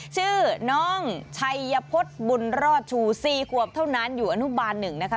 ชื่อน้องชัยพฤษบุญรอดชู๔ขวบเท่านั้นอยู่อนุบาล๑นะคะ